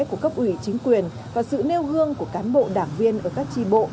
của cấp ủy chính quyền và sự nêu gương của cán bộ đảng viên ở các tri bộ